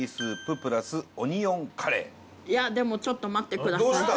いやでもちょっと待ってください。